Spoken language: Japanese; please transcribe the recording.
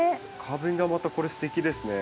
花弁がまたこれすてきですね。